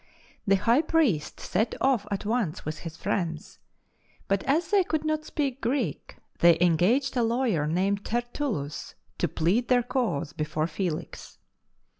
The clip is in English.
The High Priest set off at once with his friends, but as they could not speak Greek they engaged a lawyer named TertuUus to plead their cause before Felix.